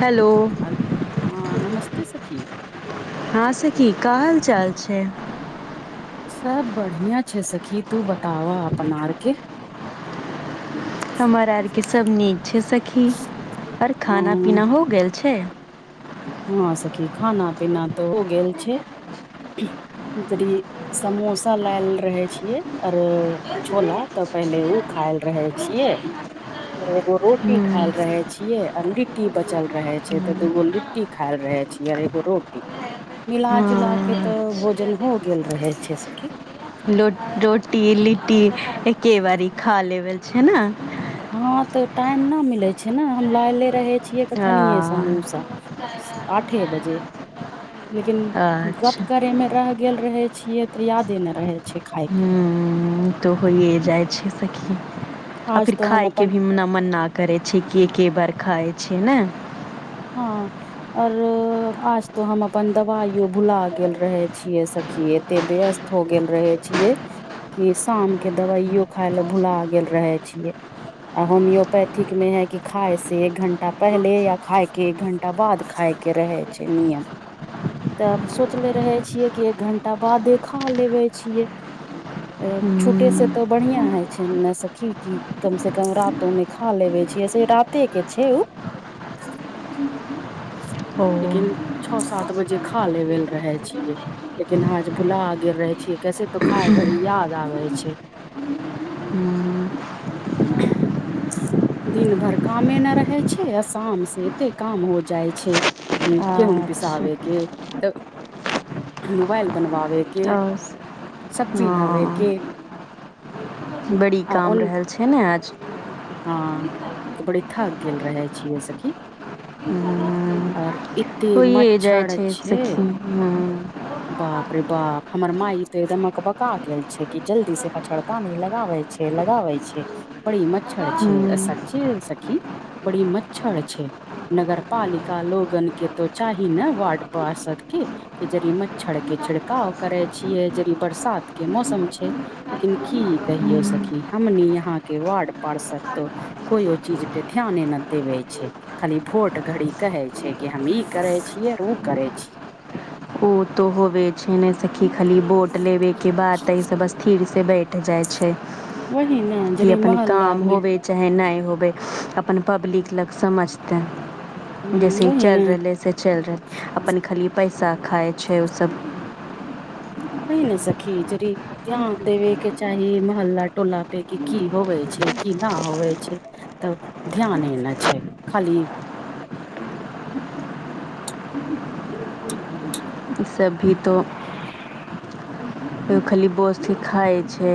[inaudible] hello हाल हँ नमस्ते सखी हँ सखी का हाल चाल छै सब बढ़िया छै सखी तू बताव अपन आर के हमर आरके सब नीक छै सखी ओर खाना ह पीना हो गेल छै हँ सखी खाना पीना तऽ हो गेल छै समोसा लायल रहै छियै अरो छोला तऽ पहिले उ खायल रहै छियै एगो रोटी खायल हम्म, रहे छिये आ लिट्टी बचल रहे छैय त हम्म, दूगो लिट्ट टी खाइल रहे छी अर एगो रोटी मिला जुला के त हाँ भोजन हो गेल रहै छैय सखी लो रोटी लिट्टी एके बारी खा लेबल छैय न हँ त टाइम न मिले छैय न हम लायले रहे छिय कखनियेस मुसा आठे बजे लेकिन गप अच्छा करे में रह गेल रहे छिये त यादे नय रहे छै खाय के हूँ ऊत होइए जाइ छैय सखी आ आज फिर तो हम खायके अपन भी न मन न करै छैय कि एके बार खाय छी ने हँ आर आज तो हम अपन दवाइयो भुला गेल रहय छियै सखीये तें व्यस्त हो गेल रहे छियै कि शाम के दवाइयो खाय लऽ भुला गेल रहय छियै आ होम्योपैथिक में है कि खाय से एक घंटा पहले या खाय के एक घंटा बाद खाय के रहय छैय नियम तब सोचले रहय छियै कि एक घंटा बादे खा लेबे छियै ए छूटे ह्म से त बढ़िया होय छैय नै सखी की कम से कम रात तओमे खालेबे छीये से राते के छैय उ ओ लेकिन छः सात बजे खा लेबल रहय छियै लेकिन आज भुला गेल रहय छियै कैसे तऽ खाय घड़ी याद आबय छैय [inaudible] [unintelligible] दिन भर कामे न रहय छैय आ शाम से ते काम हो जाइ छै उम्म गेहूँ अच्छा पिसाबे के त मोबाइल बनवावे के आओर सब्जी लाबे हँ के [inaudible] बड़ी आ काम ओन रहल छैय ने आज हँ बड़ी थक गेल रहय छीयै सखी [inaudible] आर ई होइए जाय छैय सखी हूँ बाप रे बाप हमर माई त एकदम अकबका गेल छैय कि जल्दी से मछड़दानी लगाबय छैय लगाबय छैय बड़ी मच्छर छैय ए ह्म सच्चे सखी बड़ी मच्छर छै नगर पालिका लोगन केँ तो चाही नऽ वार्ड पार्षद केँ कि जरी म छड़के छिड़काव करै छियै जेड़ी बरसात केँ मौसम छै लेकिन की कहियौ ह्म सखी हमनी यहाँ केँ वार्ड पार्षद तो कोयो चीज पे ध्याने न देबै छै खाली भोट घड़ी कहै छैय कि हम ई करै छियै उ करै छी उ तो होवे छैय ने सखी खाली वोट लेबे केँ बाद तऽ इ सब असथीर से बैठ जाइ छै वही ने की जड़ी अपन मोहल्ला काम मे ह होबे चाहे नाय होबै अपन पब्लिक लग समझतै जैसे वही चैल ने रहलैय से चैल रहल अपन खली पैसा खाय छैय ओसभ नय नऽ सखी जड़ी ध्यान देबे केँ चाही मोहल्ला टोला पे कि की होवे छैय की ना होवे छै तब ध्याने नऽ छै खाली ई सब भी तो खाली बोस्ती खाय छै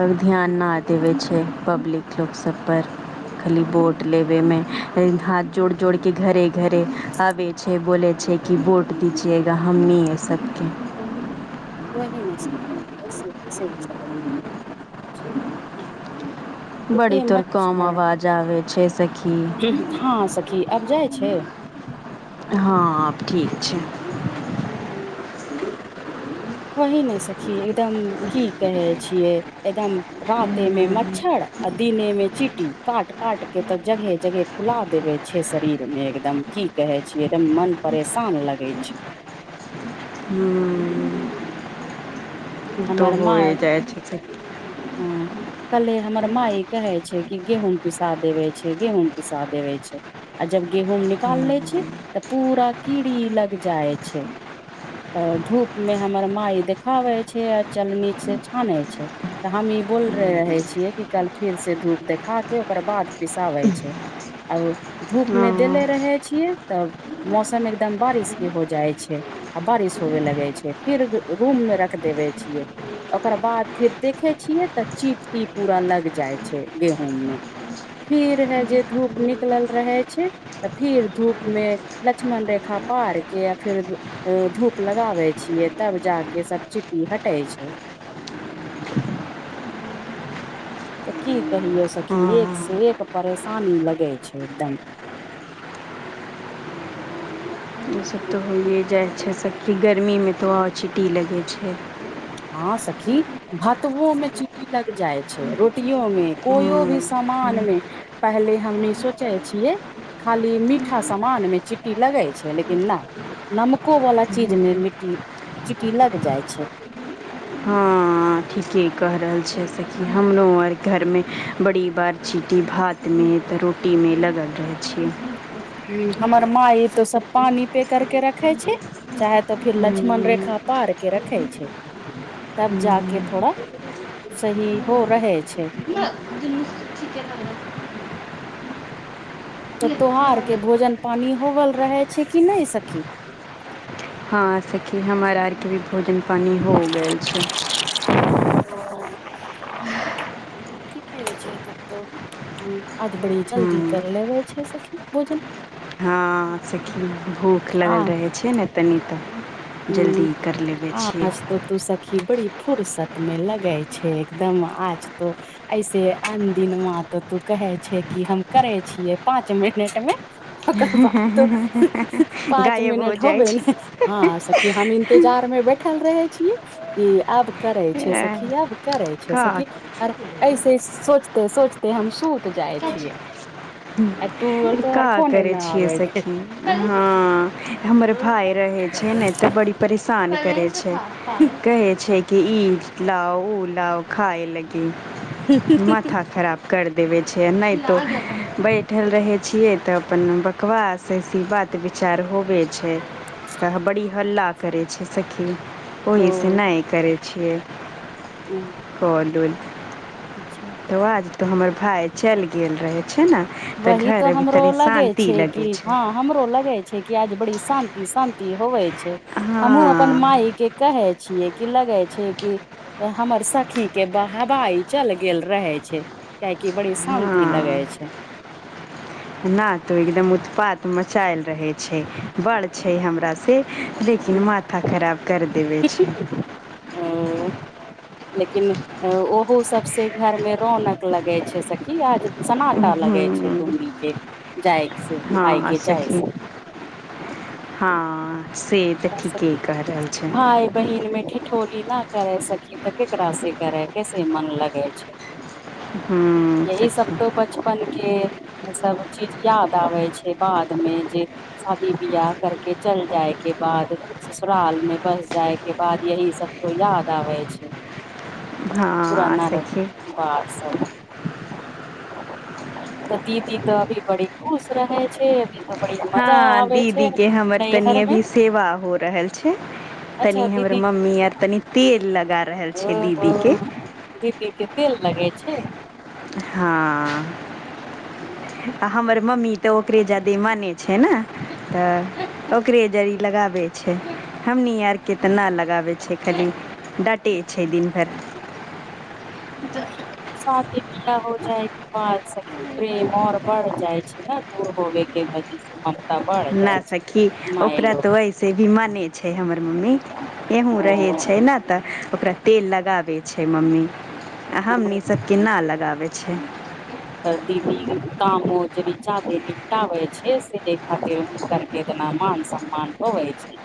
आओर ध्यान नऽ देवे छै पबलिक लोक सभ पर खली वोट लेबे मे [unintelligible] हाथ जोड़ - जोड़ केँ घरे - घरे आबे छैे बोलै छै कि वोट दीजिएगा हमनीए सबके वही नऽ सखी ऐसे कैसन चलै छै बड़ी एते तोर काम मच्छर आवाज आबै छै स हँ सखी आब जाइ छै हँ आब ठीक छै हुँ वही नऽ सखी एकदम की कहे छियै एकदम राते मे मच्छर आ दिने मे चीटी काट - काट केँ तऽ जगहे - जगहे फुला देवे छै शरीर मे एकदम की कहे छीयै एकदम मन परेशान लगै छै हुँ उ तो होए जाइ छै सखी हुँ कल्हे हमर माइ कहै छै कि गेहूँम पिसा देवै छै गेहूँम पिसा देवै छै आ जब गेहूँम निकाल ले छै तऽ पूरा कीड़ी लग जाइ छै तऽ धूप मे हमर माय देखाबै छै आ चलनी से छानै छै तऽ हम ई बोले रहै छियै कि कल फेर से धूप देखा केँ ओकर बाद पिसाबै छै आब धूपमे हँ देले रहै छियै तब मौसम एकदम बारिश केँ हो जाइ छै आ बारिश होवे लगे छै फिर रूम मे रख देबे छिये ओकर बाद फिर देखे छियै तऽ चीटी पूरा लग जाय छै गेहूँम मे फिर है जे धूप निकलल रहै छै तऽ फिर धूप मे लक्ष्मन रेखा पार केँ आ फिर ए धूप लगाबै छियै तब जा केँ सभ चिटी हटै छै तऽ की कहियौ सखी एक हँ सँ एक परेशानी लगै छै एकदम उ सब तऽ होइये जाइ छै सखी गर्मीमे तऽ आओर चिटी लगै छै हँ सखी भातबो मे चीटी लग जाइ छै रोटियो मे कोइयो भी हँ सामान मे पहले हमनी सोचै छियै खाली मीठा सामान मे चिट्टी लगै छै लेकिन नाऽ नमको वला चीज हँ मे मिट्टी चिटी लग जाइ छै हँ ठीके क रहल छै सखी हमरो आर घरमे बड़ी बार चीटी भात मे त रोटी मे लगल रहै छी हु हमर माय ई तो सब पानी पे कर के रखे छै चाहे त फिर लक्ष्मण रेखा पार के रखै छै तब जााक थोड़ा सही हो रहे छै [inaudible] त तोहार के भोजन पानी होवल रहे छै कि नय सखी हँ सखी हमर आरके भी भोजन पानी हो गेल छै [inaudible] ठीके छै तब त आज बढ़ि हँ जल्दी कर लेबे छै सखी भोजन हँ सखी भूख आ लगल रहै छै ने तनि त ह जल्दी कर लेबै छियै आज तो तू सखी बड़ी फुर्सत में लगे छै एकदम आज तो ऐसे आन दिनमा तो तू कहे छै कि हम करे छियै पाँच मिनट मे ओकर बाद तो पाँच गायब हो मिनट जाइ होबे छै ने हँ कि हम इंतजार में बैठल रहे छीयै कि आब करै छै सखी आब करै छै का सखी आर ऐसे सोचते सोचते हम सुत जाइ छियै आ तू तोहर का फोने न करै छियै आबै छै सखी हँ हमर भााय रहै छै ने त बड़ी परेशान करै छै कहै छै कि ई लाउ उ लाओ खाए लागी माथा खराब कर देबे छै नय बैठल रहे त अपन बकवास कि बात विचार होबे छै त बड़ी हल्ला करै छिय सखी ओहीसे ओ नय करै छियै [inaudible] [unintelligible] अच्छा [unintelligible] हमर भााय चल गेल रहै छै न वही तो हमरो लगे छै कि लगै छै हँ हमरो लगे छै कि आज बड़ी शांति शांति होवै छै हमूँ अपन हँ मााय के कहै छियै कि लगै छै कि हमर सखी के बहवाई चल गेल रहे छै कियाकि बड़ी शांति लगे छै न तो एकदम उत्पात मचायल रहे छै बड़ छै हमरा से लेकिन माथा खराब कर देबै छै [inaudible] लेकिन ओहो सब से घर मे रौनकनक लगे छै सखी आज सनाटा लगै छै हूँ दुमनी के जाय से आइ हँ के जाय सखी से हँ से तऽ ठीके कहि रहल छै भाय बहिन मे [unintelligible] ठोली न करे सखी त केकरा से करे कैसे मन लगे छै हू यही सब तो बचपन केँ सब चीज याद आबै छै बाद मे जे शादी बियाह करके चल जाय केँ बाद ससुराल मे बस जाय केँ बाद यही सब तो याद आबै छै हँ पुराना सखी [unintelligible] सब तऽ दीदी तऽ अभी बड़ी खुश रहै छै अभी तऽ बड़ी मजा हँ अबै छै दीदीके हमर तनि नैहरमे अभी सेवा हो रहल छै तनि अच्छा हमर दीदी मम्मी आर तनि तेल लगा रहल छै हुँ - दीदीके हुँ दीदी केँ तेल लगै छै हँ आ हमर मम्मी तऽ ओकरे जदे माने छै नऽ तऽ ओकरे जरी लगाबै छै हमनी आर केँ तऽ नऽ लगाबै छै खाली डाटे छै दिन भर [inaudible] शादी बियाह हो जाय केँ बाद सखी प्रेम आओर बढ़ जाइ छै ने दूर होवे केँ वादी से ममता बढ़ जाइ छै नय लोक से भी माने छै हमर मम्मी यहुँ रहे छै नऽ तऽ ओकरा तेल लगाबै छै मम्मी आ हमनी सभ केँ ना लगाबै छै तऽ दीदी कामो जड़ी जादे निपटाबे छै सेहे खातिर हुनकर केँ जेना मान सम्मान होबे छै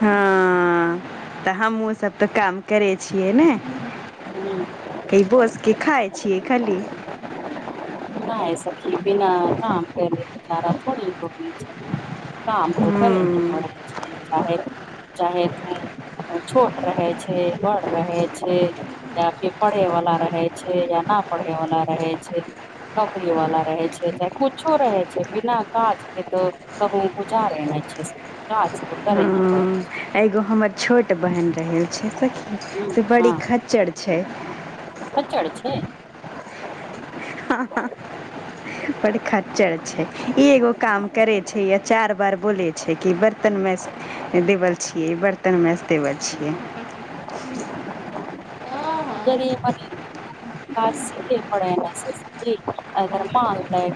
हँ तऽ हमहुँसभ तऽ काम करै छियै ने की बोस केँ खाय छियै खाली नय सखी बिना काम केले गुजारा थड़ी हेबे छै काम तऽ करे केँ हूँ परै चाहे - चाहे तुऽ छोट रहै छै बड़ रहै छै या फिर पढ़े वाला रहै छै या नऽ पढ़े वाला रहै छै नौकरी वाला रहै छै चाहे कुछो रहै छै बिना काज केँ तो कहुँ गुजारे नय छै सखी काज तऽ करेही परै हँ एगो हमर छोट बहिन रहे छै सखी से बड़ी खच्चर छै खच्चर छै हँ - हँ बड़ खच्चर छै एगो काम करे छै या चार बार बोले छै कि बर्तन मैज देवल छियै बर्तन मैज देवल छियै जरी [unintelligible] [unintelligible]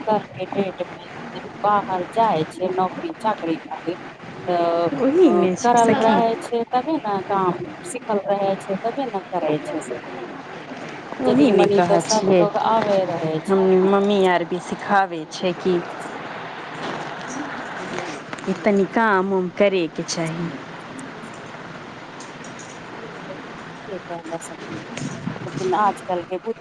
घर के डेट भेल बाहर जाइ छै नौकरी चाकरी खातिर ओही तऽ ओ ने छै करल सखी रहे छै तबे नऽ काम सिखल रहै छै तबे नऽ करै छै सखी ओही जनी ने मनी तऽ कहै सब छियै लोग आबे रहे हमनी छै मम्मी आर भी सिखाबै छै की की तनी काम उम करै केँ चाही [unintelligible] लेकिन आजकल केँ बु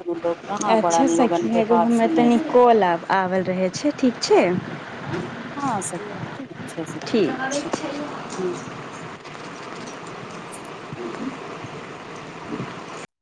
अच्छा सखी एगो हमर सुनै तनि छै कॉल आबल रहै छै ठीक छै हँ सखी ठीक छै स ठीक छै हुँ